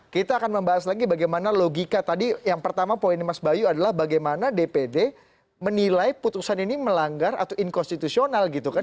kita akan membahas lagi bagaimana logika tadi yang pertama poin mas bayu adalah bagaimana dpd menilai putusan ini melanggar atau inkonstitusional gitu kan